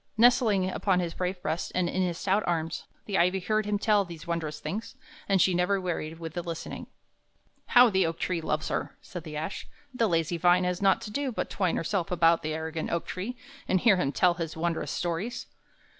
Nestling upon his brave breast and in his stout arms, the ivy heard him tell these wondrous things, and she never wearied with the listening. "How the oak tree loves her!" said the ash. "The lazy vine has naught to do but to twine herself about the arrogant oak tree and hear him tell his wondrous stories!"